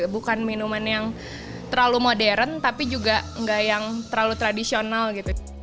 bukan minuman yang terlalu modern tapi juga nggak yang terlalu tradisional gitu